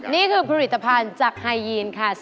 นี่คือผลิตภัณฑ์จากไฮยีนค่ะ